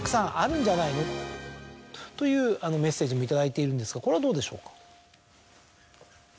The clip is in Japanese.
というメッセージも頂いているんですがこれはどうでしょうか。